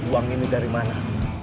uang ini dari mana